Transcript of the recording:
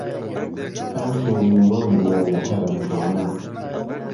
ئهوشۆ میوان بووه له حەرەمخانه